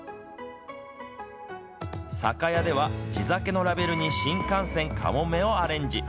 酒屋では地酒のラベルに新幹線かもめをアレンジ。